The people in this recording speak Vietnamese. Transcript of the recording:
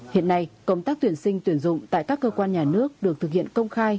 hiện nay công tác tuyển sinh tuyển dụng tại các cơ quan nhà nước được thực hiện công khai